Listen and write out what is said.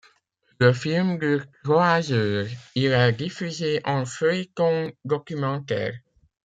Le film dure trois heures, il est diffusé en feuilleton documentaire.